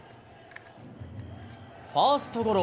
ファーストゴロ。